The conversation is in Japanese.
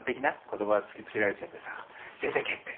言葉突きつけられちゃってさ出てけって。